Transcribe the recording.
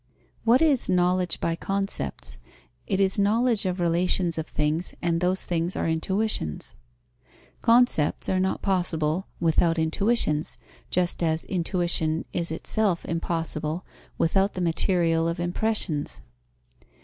What is knowledge by concepts? It is knowledge of relations of things, and those things are intuitions. Concepts are not possible without intuitions, just as intuition is itself impossible without the material of impressions.